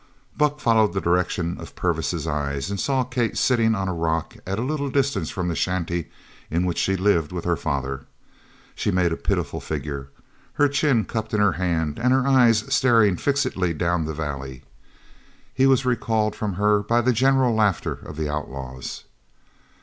Buck followed the direction of Purvis's eyes and saw Kate sitting on a rock at a little distance from the shanty in which she lived with her father. She made a pitiful figure, her chin cupped in her hand, and her eyes staring fixedly down the valley. He was recalled from her by the general laughter of the outlaws.